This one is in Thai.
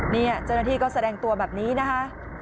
นี่เจ้าหน้าที่ก็แสดงตัวแบบนี้นะคะ